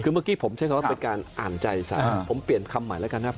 คือเมื่อกี้ผมใช้คำว่าเป็นการอ่านใจสารผมเปลี่ยนคำใหม่แล้วกันครับ